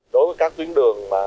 đối với các tuyến đường